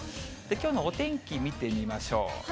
きょうのお天気見てみましょう。